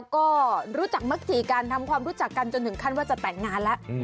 ก็รู้จักมักจีกันทำความรู้จักกันจนถึงขั้นว่าจะแต่งงานแล้ว